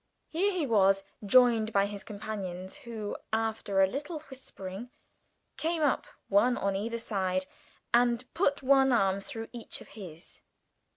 Here he was joined by his companions, who, after a little whispering, came up one on either side and put an arm through each of his.